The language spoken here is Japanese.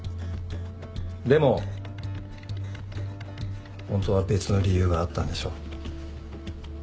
でもホントは別の理由があったんでしょ？